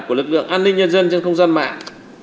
của lực lượng an ninh nhân dân trên không gian mạng